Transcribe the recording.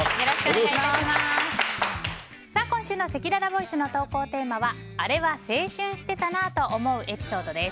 今週のせきららボイスの投稿テーマはあれは青春してたなぁと思うエピソードです。